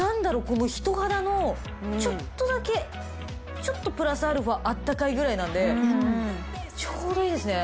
この人肌のちょっとだけちょっとプラスアルファあったかいぐらいなのでちょうどいいですね。